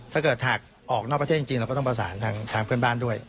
ถ้าเกิดหากออกนอกประเทศจริงเราก็ต้องประสานทางเพื่อนบ้านด้วย